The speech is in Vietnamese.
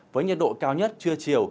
với nhiệt độ cao nhất trưa chiều